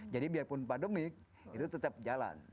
biarpun pandemik itu tetap jalan